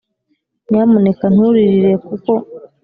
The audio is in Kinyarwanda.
nyamuneka nturirire, kuko